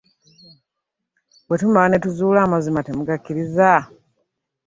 Bwe tumala ne tuzuula amazima temugakkiriza?